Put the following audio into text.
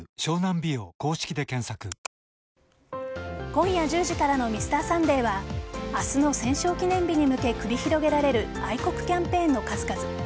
今夜１０時からの「Ｍｒ．サンデー」は明日の戦勝記念日に向け繰り広げられる愛国キャンペーンの数々。